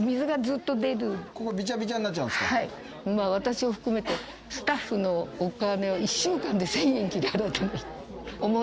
私を含めてスタッフのお金を１週間で１０００円きりしか払っていない。